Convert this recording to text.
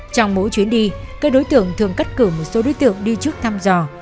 trong mỗi chuyến đi các đối tượng thường cắt cử một số đối tượng đi trước thăm dò